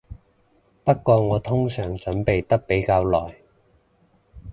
不過我通常準備得比較耐